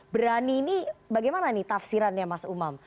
berani ini bagaimana nih tafsirannya mas umam